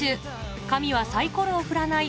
「神はサイコロを振らない」